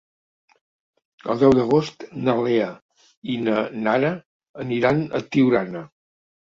El deu d'agost na Lea i na Nara aniran a Tiurana.